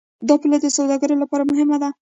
دا پوله د سوداګرۍ لپاره مهمه ده.